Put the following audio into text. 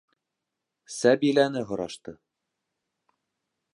Сәбиләне һорашты.